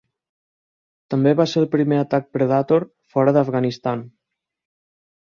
També va ser el primer atac Predator fora d"Afghanistan.